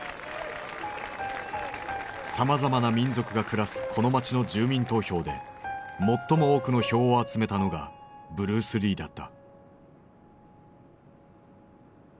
さまざまな民族が暮らすこの町の住民投票で最も多くの票を集めたのがブルース・リーだった。